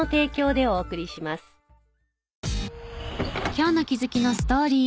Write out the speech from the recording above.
今日の気づきのストーリー。